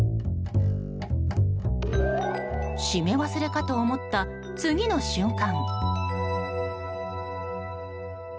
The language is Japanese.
閉め忘れかと思った次の瞬間。